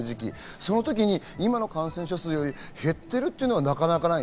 その時に今の感染者数より減っているというのはなかなかない。